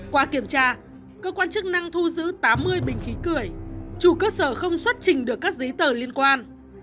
qua kiểm tra cơ quan chức năng thu giữ tám mươi bình khí cười chủ cơ sở không xuất trình được các giấy tờ liên quan